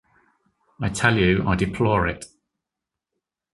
I tell you I deplore it!